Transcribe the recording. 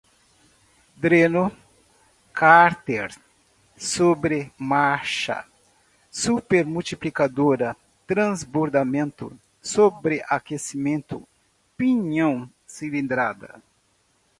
dreno, cárter, sobremarcha, supermultiplicadora, transbordamento, sobreaquecimento, pinhão, cilindrada